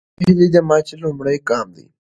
ناهیلي د ماتې لومړی ګام دی.